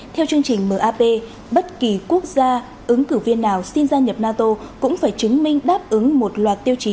theo chương trình map bất kỳ quốc gia ứng cử viên nào xin gia nhập nato cũng phải chứng minh đáp ứng một loạt tiêu chí